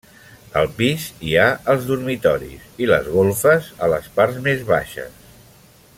Al pis hi ha els dormitoris i les golfes a les parts més baixes.